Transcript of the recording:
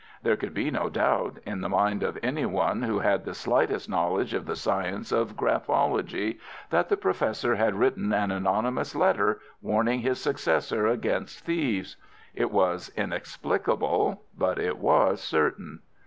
There could be no doubt, in the mind of any one who had the slightest knowledge of the science of graphology, that the Professor had written an anonymous letter, warning his successor against thieves. It was inexplicable, but it was certain.